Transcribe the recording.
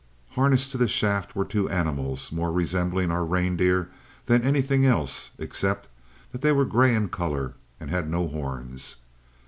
"Harnessed to the shaft were two animals, more resembling our reindeers than anything else, except that they were gray in color and had no horns.